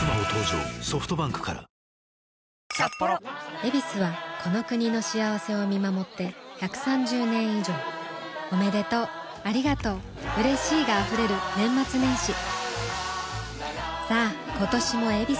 「ヱビス」はこの国の幸せを見守って１３０年以上おめでとうありがとううれしいが溢れる年末年始さあ今年も「ヱビス」で